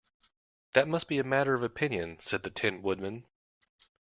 "That must be a matter of opinion," said the Tin Woodman.